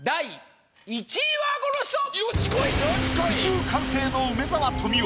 句集完成の梅沢富美男。